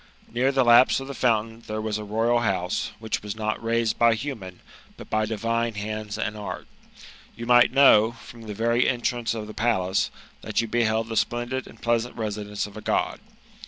Near the lapse of the fountain there was a royal house, which was aot raised by humani but by divine hand3 apd act. You might kaow, from (he very entrance of the .pa]ace, that you liehild the splendid and pleasant residence of a Gpd.